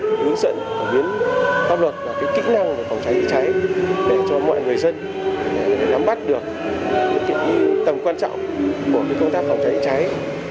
hướng dẫn và biến pháp luật vào kỹ năng phòng cháy chữa cháy để cho mọi người dân nắm bắt được tầm quan trọng của công tác phòng cháy chữa cháy